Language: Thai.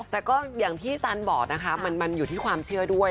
แต่ก็อย่างที่สันบอกนะคะมันอยู่ที่ความเชื่อด้วย